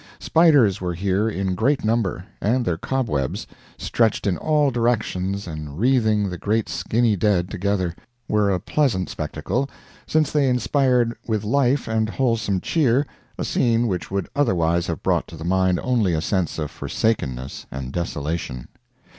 Spiders were here in great number, and their cobwebs, stretched in all directions and wreathing the great skinny dead together, were a pleasant spectacle, since they inspired with life and wholesome cheer a scene which would otherwise have brought to the mind only a sense of forsakenness and desolation.